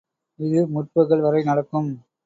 இது முற்பகல் வரை நடக்கும்.